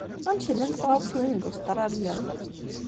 Amek llant tɣawsiwin deg Ustṛalya?